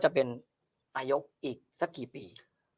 จะเป็นนายกอีกสักกี่ปี